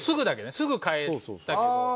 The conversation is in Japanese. すぐ変えたけど。